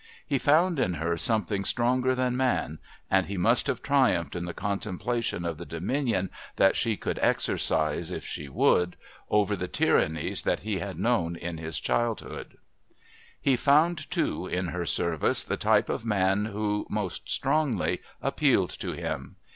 He found in her something stronger than man and he must have triumphed in the contemplation of the dominion that she could exercise, if she would, over the tyrannies that he had known in his childhood. He found, too, in her service, the type of man who, most strongly, appealed to him.